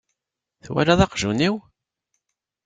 Twalaḍ aqjun-iw?